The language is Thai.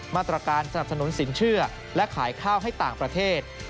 มาตรการสนับสนุนสินเชื่อและขายข้าวให้ต่างประเทศ